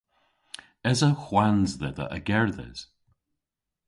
Esa hwans dhedha a gerdhes?